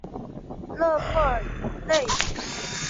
勒富尔内。